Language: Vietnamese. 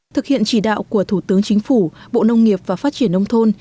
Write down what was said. thực hiện chỉ đạo của thủ tướng chính phủ bộ nông nghiệp và phát triển nông thôn